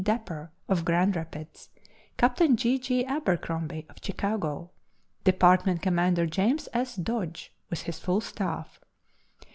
Dapper, of Grand Rapids; Captain J. J. Abercrombie, of Chicago; Department Commander James S. Dodge, with his full staff.